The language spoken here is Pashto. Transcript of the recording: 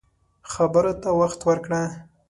خبرو ته وخت ورکړه